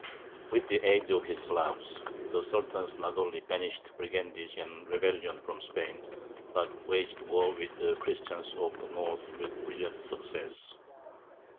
With the aid of his "Slavs," the Sultan not only banished brigandage and rebellion from Spain, but waged war with the Christians of the north with brilliant success.